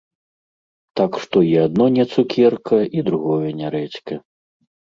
Так што і адно не цукерка і другое не рэдзька.